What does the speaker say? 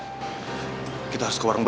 dada digebukin sama anak bc